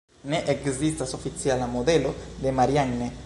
Ne ekzistas oficiala modelo de Marianne.